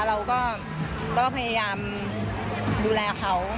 เราก็พยายามดูแลเขา